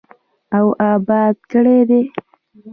او اباد کړی دی.